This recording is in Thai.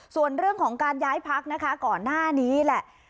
ส่วนเรื่องของการย้ายพักนะคะก่อนหน้านี้แหละ